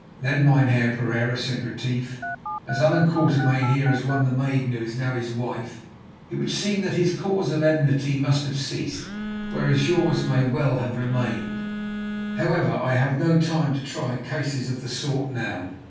"Then, Mynheer Pereira," said Retief, "as Allan Quatermain here has won the maiden who is now his wife, it would seem that his cause of enmity must have ceased, whereas yours may well have remained. However, I have no time to try cases of the sort now.